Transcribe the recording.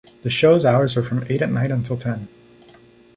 The shows hours are from eight at night until ten.